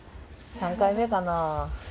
３回目かな？